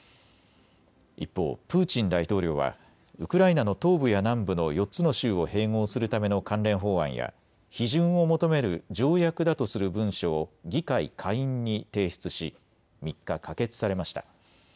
一方、プーチン大統領はウクライナの東部や南部の４つの州を併合するための関連法案や批准を求める条約だとする文書を議会下院に提出し３日、可決されました。